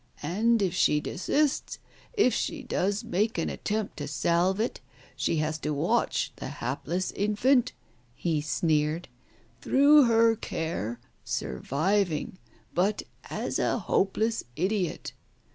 And if she desists, if she does make an attempt to salve it, she has to watch the hapless infant" — he sneered — "through her care, surviving, but as a hopeless idiot.